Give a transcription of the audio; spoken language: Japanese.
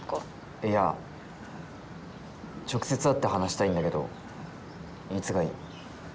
いや直接会って話したいんだけどいつがいい？